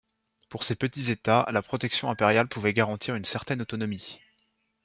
Pour ces petits États, la protection impériale pouvait garantir une certaine autonomie.